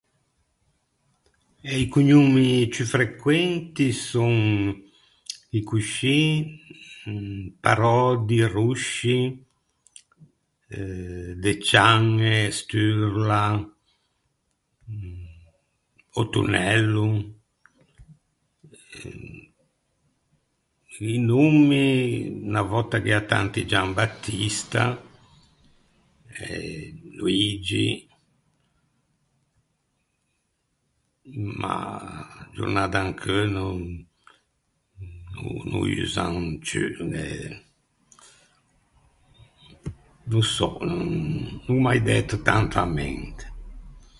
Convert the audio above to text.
Eh i cognommi ciù frequenti son, chì coscì, Parödi, Rosci, eh, Deciañe, Sturla, Ottonello. I nommi, unna vòtta gh’ea tanti Giambattista, eh, Luiggi, ma a-a giornâ d’ancheu no usan ciù, eh, no sò, no ò mai dæto tanto a mente.